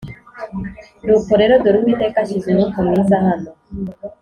Nuko rero dore Uwiteka ashyize umwuka mwiza hano